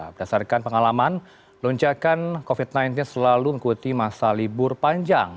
berdasarkan pengalaman lonjakan covid sembilan belas selalu mengikuti masa libur panjang